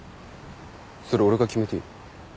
それ俺が決めていいの？